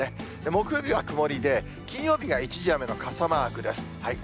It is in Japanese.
木曜日は曇りで、金曜日が一時雨の傘マークです。